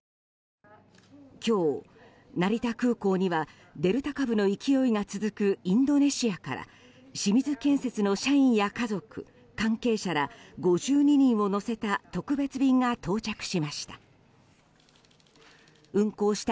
今日、成田空港にはデルタ株の勢いが続くインドネシアから清水建設の社員や家族、関係者ら５２人を乗せた特別便が到着しました。